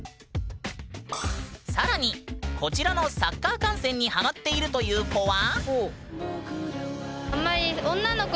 さらに、こちらのサッカー観戦にハマっているという子は。